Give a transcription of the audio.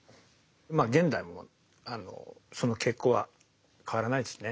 まあ現代もその傾向は変わらないですね。